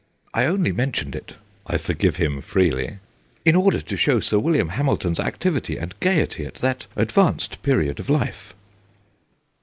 I only mentioned it ' I forgive him freely ' in order to show Sir William Hamilton's activity and gaiety at that advanced period of life.'